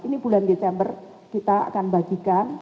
ini bulan desember kita akan bagikan